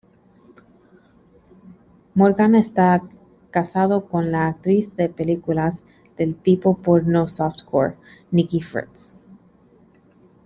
Morgan está casado con la actriz de películas del tipo porno softcore, Nikki Fritz.